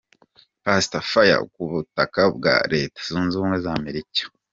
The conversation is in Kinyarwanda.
Pastor Fire ku butaka bwa Leta Zunze Ubumwe za Amerika.